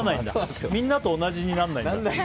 みんなと同じにならないんだ。